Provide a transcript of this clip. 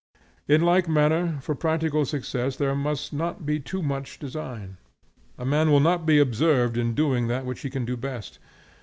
In like manner, for practical success, there must not be too much design. A man will not be observed in doing that which he can do best.